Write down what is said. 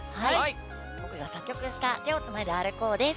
僕が作曲した「手をつないで歩こう」です。